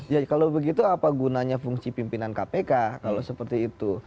ya kalau begitu apa gunanya fungsi pimpinan kpk kalau seperti itu